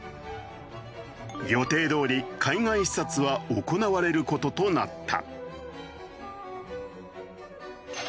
予定どおり海外視察は行われる事となった。